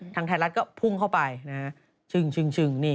ทางไทยรัฐก็พุ่งเข้าไปชึ่ง